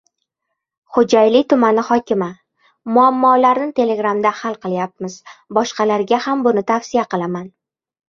Xo‘jayli tumani hokimi: «Muammolarni telegramda hal qilyapmiz, boshqalarga ham buni tavsiya qilaman»